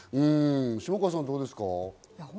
下川さん、どうですか？